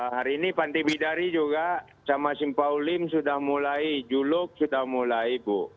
hari ini pantai bidari juga cama simpaulim sudah mulai juluk sudah mulai bu